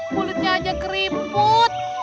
mulutnya aja keriput